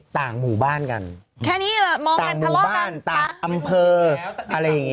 ต่างหมู่บ้านต่างอำเภออะไรอย่างนี้